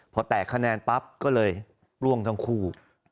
พอแตกคะแนนปั๊บก็เลยล่วงทั้งคู่